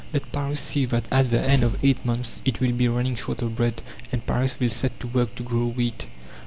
Let Paris see that at the end of eight months it will be running short of bread, and Paris will set to work to grow wheat.